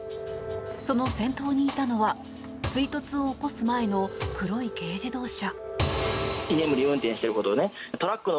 その先頭にいたのは追突を起こす前の黒い軽自動車。